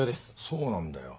そうなんだよ。